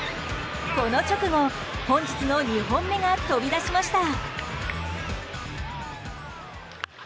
この直後本日の２本目が飛び出しました。